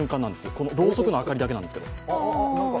このろうそくの明かりだけなんですけど。